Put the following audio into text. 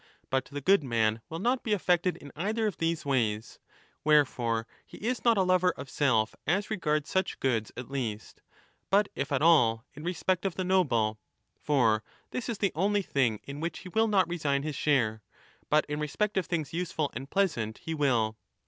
But the good man will not be affected in either of these ways. 22, ^22, = E.N. 1 167a 28 1 169^ 2. ' Cf. 1211*16 ^3. BOOK 11. 13 1212* Wherefore he is not a lover of self as regards such goods at least ; but, if at all, in respect of the noble. For this is the only thing in which he will not resign his share, but in 5 respect of things useful and pleasant he will.